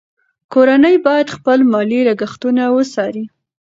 کورنۍ باید خپل مالي لګښتونه وڅاري.